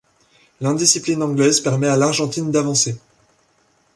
L'indiscipline anglaise permet à l'Argentine d'avancer.